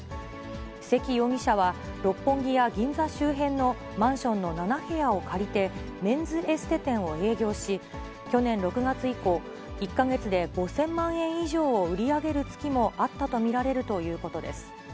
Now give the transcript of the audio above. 関容疑者は、六本木や銀座周辺のマンションの７部屋を借りて、メンズエステ店を営業し、去年６月以降、１か月で５０００万円以上を売り上げる月もあったと見られるということです。